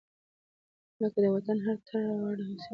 لکه : د وطن هره تړه غر او سيمه ډېره خوږه لګېده.